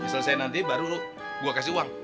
selesain nanti baru gue kasih uang